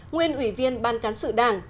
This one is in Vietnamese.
nguyên ủy viên ban cán sự đảng